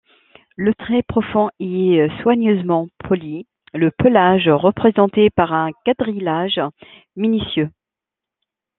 Le trait profond y est soigneusement poli, le pelage représenté par un quadrillage minutieux.